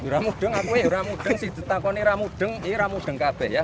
ramudeng aku ya ramudeng si tetakon ini ramudeng ini ramudeng kb ya